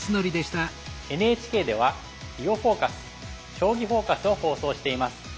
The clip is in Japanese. ＮＨＫでは「囲碁フォーカス」「将棋フォーカス」を放送しています。